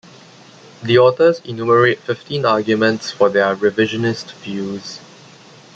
The authors enumerate fifteen arguments for their revisionist views.